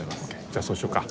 じゃあそうしようか。